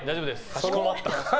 かしこまった。